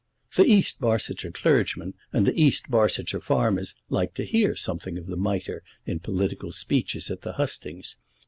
The East Barsetshire clergymen and the East Barsetshire farmers like to hear something of the mitre in political speeches at the hustings.